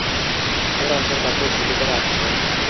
এর অন্তর্গাত্র ঝিল্লি দ্বারা আবৃত।